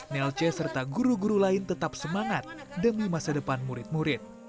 nelce serta guru guru lain tetap semangat demi masa depan murid murid